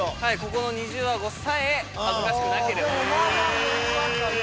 ここの二重アゴさえ恥ずかしくなければ。